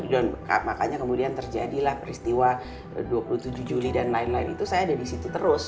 dan makanya kemudian terjadilah peristiwa dua puluh tujuh juli dan lain lain itu saya ada di situ terus